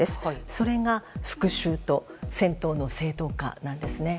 それが、復讐と戦闘の正当化なんですね。